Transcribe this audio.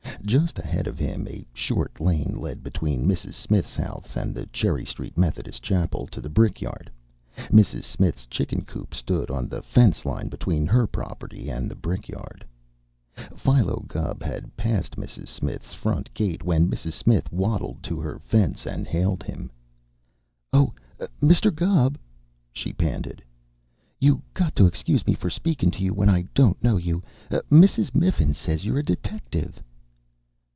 Just ahead of him a short lane led, between Mrs. Smith's house and the Cherry Street Methodist Chapel, to the brick yard. Mrs. Smith's chicken coop stood on the fence line between her property and the brick yard! [Illustration: "DETECKATING IS MY AIM AND MY PROFESSION"] Philo Gubb had passed Mrs. Smith's front gate when Mrs. Smith waddled to her fence and hailed him. "Oh, Mr. Gubb!" she panted. "You got to excuse me for speakin' to you when I don't know you. Mrs. Miffin says you're a detective."